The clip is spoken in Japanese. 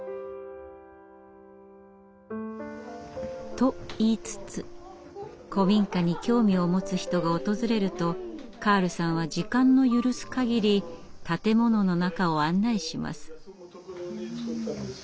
と言いつつ古民家に興味を持つ人が訪れるとカールさんは時間の許すかぎり建物の中を案内します。